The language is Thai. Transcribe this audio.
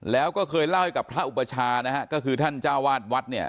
แล้วก็เคยเล่าให้กับพระอุปชาท่านจ้าวาสวัด